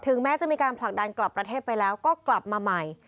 แม้จะมีการผลักดันกลับประเทศไปแล้วก็กลับมาใหม่